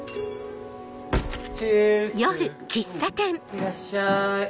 いらっしゃい。